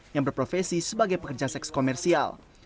yang berprofesi sebagai pekerja seks komersial